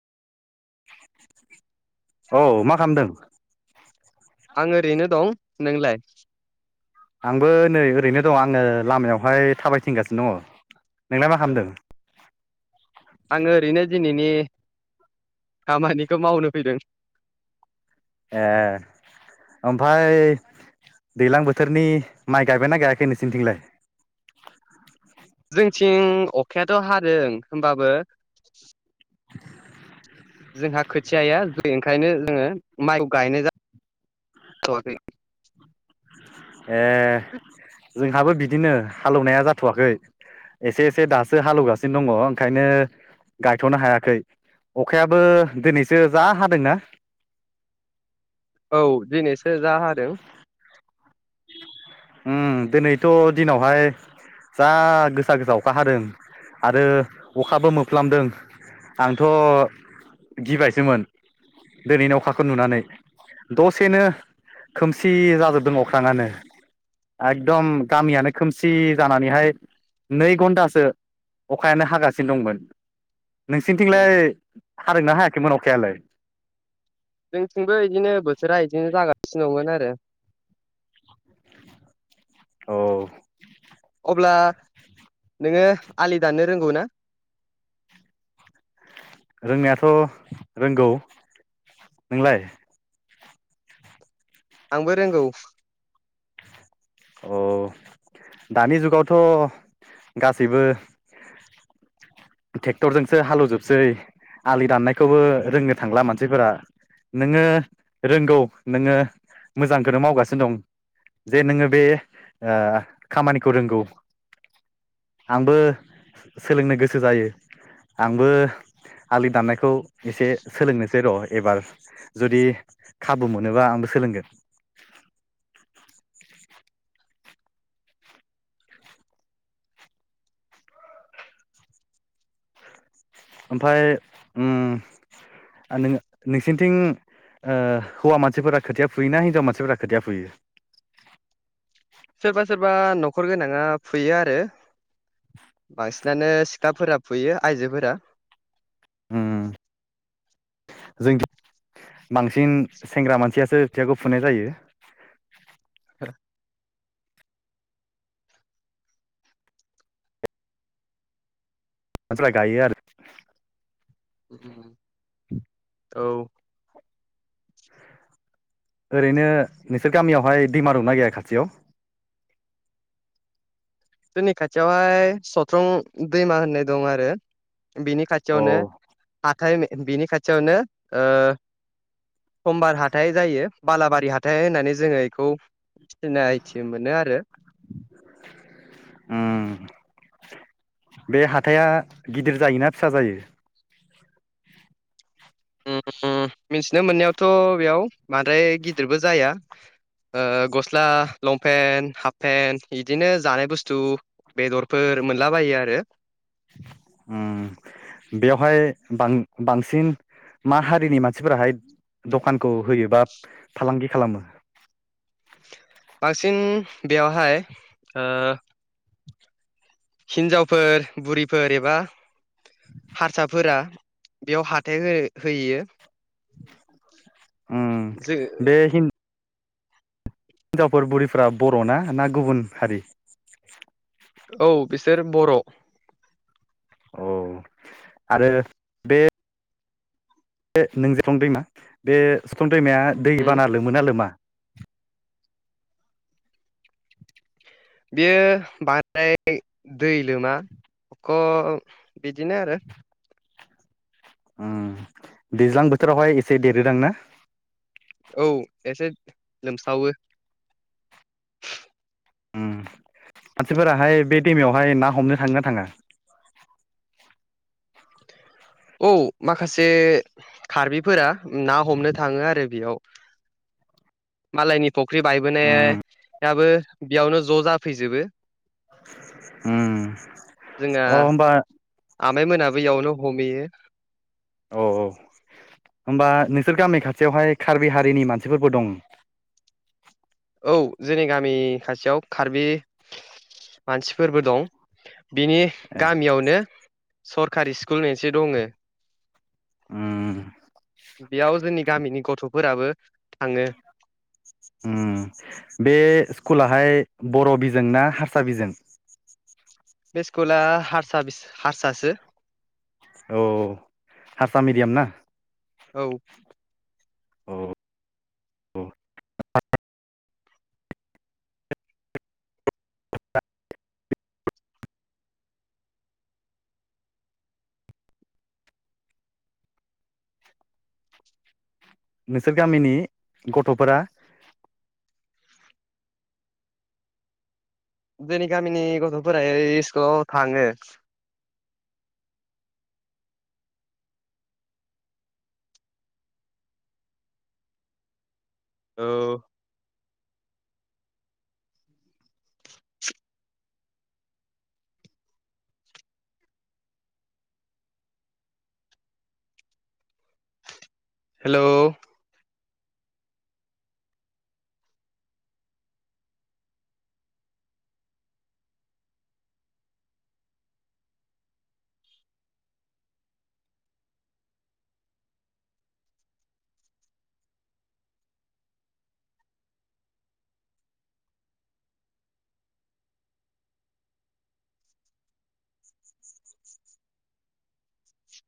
औ मा खालामदों? आं ओरैनो दं। नोंलाय? आंबो नै ओरैनो दं आङो लामायावहाय थाबायथिंगासिनो दङ। नोंलाय मा खालामदों? आङो ओरैनो दिनैनि खामानिखौ मावनो फैदों। ए। ओमफ्राय दैज्लां बोथोरनि माइ गायबाय ना गायाखै नोंसिनिथिंलाय? [inaudible] जोंथिं अखायाथ' हादों होमबाबो [inaudible] जोंहा खोथिया जौआखै ओंखायनो जोङो माइखौ गायनाय जा थयाखै। ए जोंहाबो बिदिनो हालेवनाया जाथ'वाखै। एसे एसे दासो हालेवगासिनो दङ ओंखायनो गायथ'नो हायाखै अखायाबो दिनैसो जा हादोंना। [unintelligible] औ दिनैसो जा हादों। ओम दिनैथ' दिनावहाय जा गोसा गोसा अखा हादों आरो अखाबो मोफ्लामदों। आंथ' गिबायसोमोन। दोनैनि अखाखौ नुनानै दसेनो खोमसि जाजोबदों अ ख्राङानो। एकदम गामियानो खोमसि जानानैहाय नै घन्टासो अखायानो हागासिनो दंमोन नोंसिनिथिंलाय हादोंना हायाखैमोन अखायालाय जोंथिंबो इदिनो बोथोरा इदिनो जागासिनो दंमोन आरो [unintelligible] अ अब्ला नोङो आलि दाननो रोंगौ ना [unintelligible] रोंनायाथ रोंगौ नोंलाय आंबो रोंगौ औ दानि जुगावथ गासैबो ट्रेक्टरजोंसो हालौजोबसै आलि दाननायखौबो रोंनो थांला मानसिफोरा नोङो रोंगौ नोङो मोजांखौनो मावगासिनो दं जे नोङो बे ओ खामानिखौ रोंगौ आंबो सोलोंनो गोसो जायो आंबो आलिनि दानायखौ एसे सोलोंनोसै र एबार जुदि खाबु मोनोबा आंबो सोलोंगोन [unintelligible] ओमफाय उम ओ नों नोंसनिथिं ओ हौवा मानसिफोरा खोथिया फुयोना हिनजाव मानसिफोरा खोथिया फुयो [unintelligible] सोरबा सोरबा नखर गोनाङा फुयो आरो बांसि [unintelligible] उम जोंथि बांसिन सेंग्रा मानसियासो थियाखौ फुनाय जायो [unintelligible] [unintelligible] [unintelligible] ओरैनो नोंसोर गामियावहाय दैमा दंना गैया खाथियाव जोंनि खाथियावहाय सथ्रं दैमा होननाय दं आरो बिनि अ खाथियावनो हाथाय बिनि खाथियावनो ओ समबार हाथाय जायो बालाबारि हाथाय होननानै जोङो इखौ सिनाइथि मोनो आरो उम बे हाथाइआ गिदिर जायोना फिसा जायो मिथिनो मोननायावथ बेयाव बांद्राय गिदिरबो जाया ओ गस्ला लंपेन्ट हाफपेन्ट इदिनो जानाय बुस्थु बेदरफोर मोनलाबायो आरो उम बेवहाय बां बांसिन मा हारिनि मानसिफोराहाय दखानखौ होयो बा फालांगि खालामो बांसिन बेवहाय ओ हिनजावफोर बुरिफोर एबा हारसाफोरा बेयाव हाथाइ हो होयो उम जो बे हिन जावफोर बुरिफ्रा बरना ना गुबुन हारि औ बिसोर बर'। अह आरो बे बे नों दैमा बे सिफुं दैमाया दै उम बाना लोमोना लोमा [inaudible] बेयो बांद्राय दै लोमा अख' बिदिनो आरो। उम दैज्लां बोथोरावहाय एसे देरोदांना? औ एसे लोमसावो। उम मानसिफोराहाय बे दैेमायावहाय ना हमनो थाङोना थाङा? औ माखासे खार्बिफोरा ना हमनो थाङो आरो बियाव। मालायनि फख्रि उम बायबोनायाबो बेयावनो ज' जाफैजोबो। उम जोंना अह होमबा आमाइ मोनाबो इयावनो हमहैयो। औ औ। होमबा नोंसोर गामि खाथियावहाय कार्बि हारिनि मानसिफोरबो दं? औ जोंनि गामि खाथियाव कार्बि मानसिफोरबो दं। बिनि ए गामियावनो सरखारि स्कुल मोनसे दङो। उम बेयाव जोंनि गामिनि गथ' फोराबो थाङो। उम बे स्कुलाहाय बर' बिजों ना हारसा बिजों? बे स्कुला हारसा बिस हारसासो। औ हारसा मिडियाम ना? औ। अह अह। नोंसोर गामिनि गथ'फोरा जोंनि गामिनि गथ'फोरा ऐ इस्कुलाव थाङो। ओ [inaudible] हेलौ